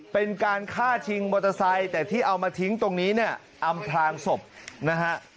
เป็นการฆ่าชิงมอเตอร์ไซค์แต่ที่เอามาทิ้งตรงนี้เนี่ยอำพลางศพนะฮะ